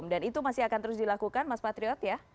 dan itu masih akan terus dilakukan mas patriot ya